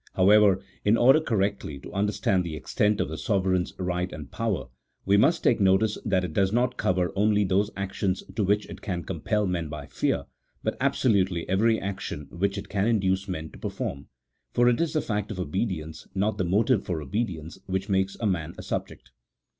However, in order correctly to understand the extent of the sovereign's right and power, we must take notice that it does not cover only those actions to which it can compel men by fear, but absolutely every action which it can induce men to perform : for it is the fact of obedience, not the motive for obedience, which makes a man a subject.